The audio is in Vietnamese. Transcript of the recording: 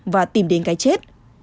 và tìm đến cái chết